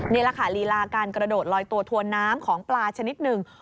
นี่แหละค่ะลีลาการกระโดดลอยตัวทวนน้ำของปลาชนิดหนึ่ง